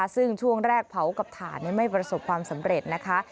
ซึ่งช่วงแรกเผากับถ่านไม่ประสบความสำเร็จนะคะ